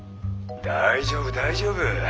☎大丈夫大丈夫。